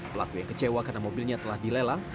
pelaku yang kecewa karena mobilnya telah dilelang